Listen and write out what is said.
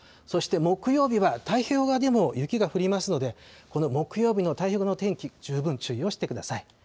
そして木曜日は、太平洋側でも雪が降りますので、この木曜日の太平洋側の天気、十分注意をしてください。